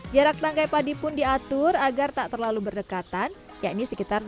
jarak tanggai padi pun diatur agar tak terlalu berdekatan yakni sekitar dua puluh cm